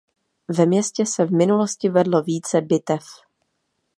Ve městě se v minulosti vedlo více bitev.